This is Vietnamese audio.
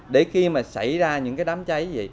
để khi mà xảy ra những đám cháy